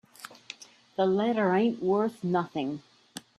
The letter ain't worth nothing.